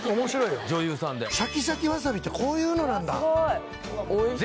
女優さんで面白いよシャキシャキわさびってこういうのなんだ